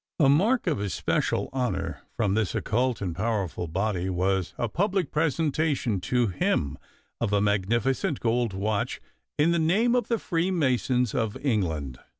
A mark of especial honor from this occult and powerful body was a public presentation to him of a magnificent gold watch in the name of the Freemasons of England.